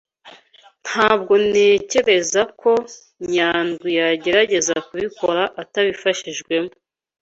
Ntabwo ntekereza ko Nyandwiyagerageza kubikora atabifashijwemo